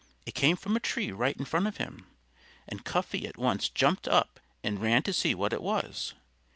It came from a tree right in front of him. And Cuffy at once jumped up and ran to see what it was.